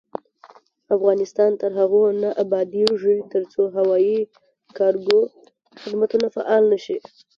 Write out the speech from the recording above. افغانستان تر هغو نه ابادیږي، ترڅو هوایي کارګو خدمتونه فعال نشي.